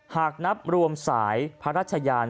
หากนับรวมสายพระราชยาน